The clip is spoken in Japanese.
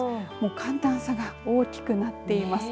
寒暖差が大きくなっています。